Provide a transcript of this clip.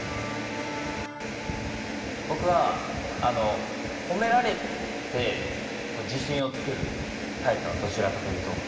僕は褒められて自信をつけるタイプなのどちらかというと。